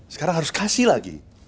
sekarang harus kasih lagi